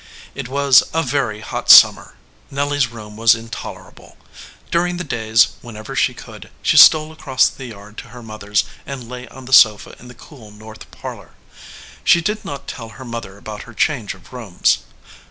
It was a very hot summer. Nelly s room was intolerable. During the days, whenever she could, she stole across the yard to her mother s and lay on the sofa in the cool north parlor. She did not tell her mother about her change of rooms.